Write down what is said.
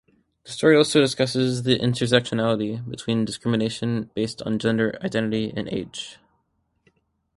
The story also discusses the intersectionality between discrimination based on gender identity and age.